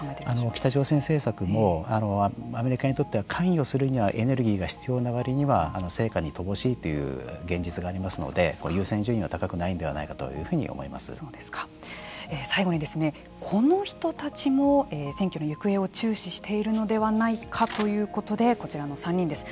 北朝鮮政策もアメリカにとっては関与するにはエネルギーが必要な割には成果に乏しいという現実がありますので優先順位は高くないんではないか最後にこの人たちも選挙の行方を注視しているのではないかということでこちらの３人です。